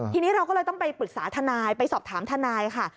ทีนี้เราก็เลยต้องไปปรึกษาทนายไปสอบถามทนายค่ะ